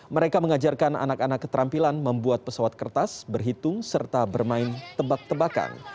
mereka mengajarkan anak anak keterampilan membuat pesawat kertas berhitung serta bermain tebak tebakan